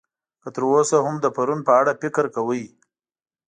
که تر اوسه هم د پرون په اړه فکر کوئ.